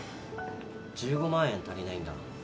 １５万円足りないんだ。